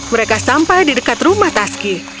mereka sampai di dekat rumah taski